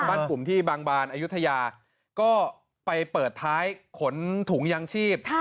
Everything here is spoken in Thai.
กลุ่มที่บางบานอายุทยาก็ไปเปิดท้ายขนถุงยางชีพ